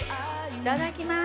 いただきます。